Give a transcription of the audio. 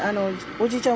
おじいちゃん